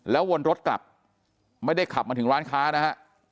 วนรถกลับไม่ได้ขับมาถึงร้านค้านะฮะ